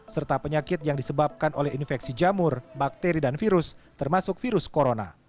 serta penyakit yang disebabkan oleh infeksi jamur bakteri dan virus termasuk virus corona